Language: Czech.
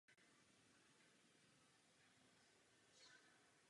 Poté pracoval jako právník.